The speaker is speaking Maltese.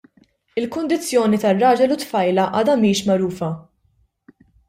Il-kundizzjoni tar-raġel u t-tfajla għadha mhix magħrufa.